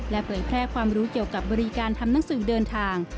เผยแพร่ความรู้เกี่ยวกับบริการทำหนังสือเดินทาง